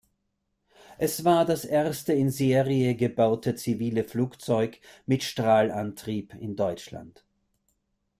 Es war das erste in Serie gebaute zivile Flugzeug mit Strahlantrieb in Deutschland.